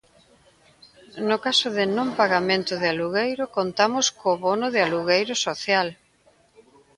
No caso de non pagamento de alugueiro contamos co Bono de Alugueiro Social.